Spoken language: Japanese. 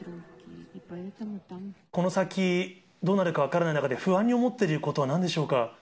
この先、どうなるか分からない中で、不安に思ってることはなんでしょうか。